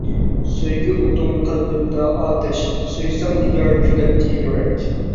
سۆيگۈ ئوتۇڭ قەلبىمدە ئاتەش، سۆيسەڭ نىگار كۈلەتتى يۈرەك.